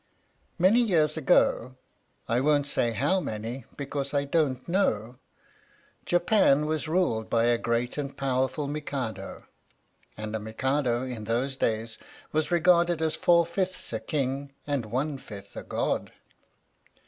Many years ago (I won't say how many because I don't know) Japan was ruled by a great and powerful Mikado, and a Mikado in those days was regarded as four fifths a King and one fifth a god.